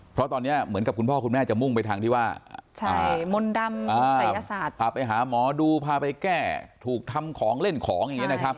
เพราะตอนนี้เหมือนกับคุณพ่อคุณแม่จะมุ่งไปทางที่ว่ามนต์ดำศัยศาสตร์พาไปหาหมอดูพาไปแก้ถูกทำของเล่นของอย่างนี้นะครับ